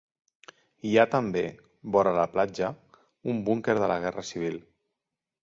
Hi ha també, vora la platja, un búnquer de la guerra civil.